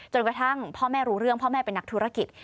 กระทั่งพ่อแม่รู้เรื่องพ่อแม่เป็นนักธุรกิจ